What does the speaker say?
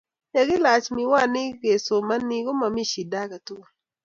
Ye ilach miwaniik kosomomei komomii shida agetugul.